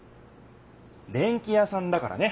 電器屋さんだからね！